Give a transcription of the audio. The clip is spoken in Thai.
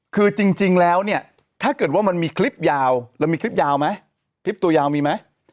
คือจริงแล้วเนี่ยถ้าเกิดว่ามันมีคลิปยาวเรามีคลิปยาวไหมคลิปตัวยาวมีไหม